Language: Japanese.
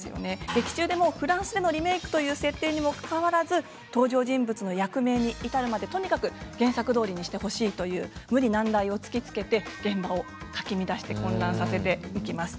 劇中でもフランスでのリメークという設定にもかかわらず登場人物の役名に至るまで原作どおりにしてほしいという無理難題をつきつけて現場をかき乱して混乱させていきます。